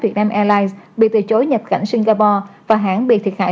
việt nam airlines bị từ chối nhập cảnh singapore và hãng bị thiệt hại